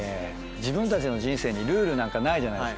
自分たちの人生にルールなんかないじゃないですか。